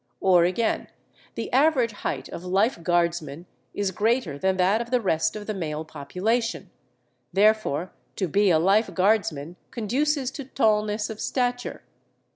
Or again: The average height of Life Guardsmen is greater than that of the rest of the male population; therefore to be a Life Guardsman conduces to tallness of stature.